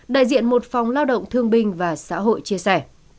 đại diện một phòng lao động thương binh và xã hội chia sẻ